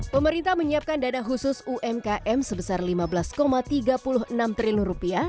pemerintah menyiapkan dana khusus umkm sebesar rp lima belas tiga puluh enam triliun